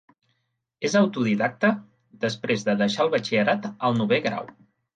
És autodidacta, després de deixar el batxillerat al novè grau.